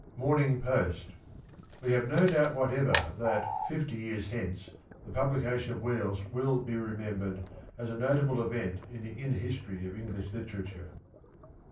Morning Post. —" We have no doubt whatever that, fifty \'ears hence, the pul)lication of ' Wheels ' will be remembered as a notable event in the inner history of Enghsh Literature."